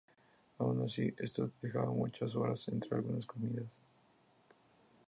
Aun así, esto dejaba muchas horas entre algunas comidas.